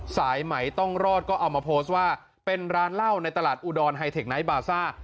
สายไหมต้องรอดก็เอามาโพสต์ว่าเป็นร้านเหล้าในตลาดอุดรไฮเทคไนท์บาซ่า